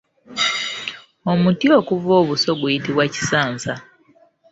Omuti okuva obuso guyitibwa Kisaansa.